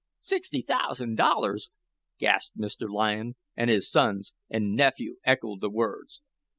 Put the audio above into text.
"Sixty thousand dollars!" gasped Mr. Lyon, and his sons and nephew echoed the words.